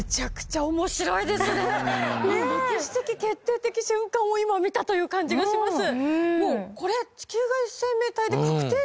もう歴史的決定的瞬間を今見たという感じがします